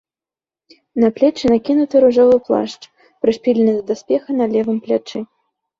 На плечы накінуты ружовы плашч, прышпілены да даспеха на левым плячы.